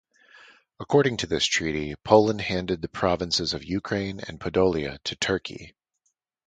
According to this treaty, Poland handed the provinces of Ukraine and Podolia to Turkey.